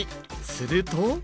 すると。